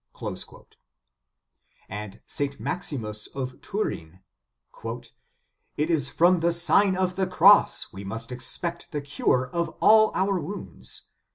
"* St. Maximus of Turin : "It is from the Sign of the Cross we must expect the cure of all our wounds.